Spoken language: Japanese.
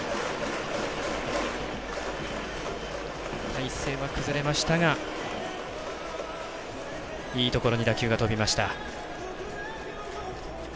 体勢は崩れましたがいいところに打球は飛びました。